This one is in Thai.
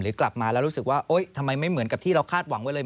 กลับมาแล้วรู้สึกว่าโอ๊ยทำไมไม่เหมือนกับที่เราคาดหวังไว้เลย